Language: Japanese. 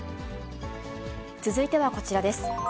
続いてはこちらです。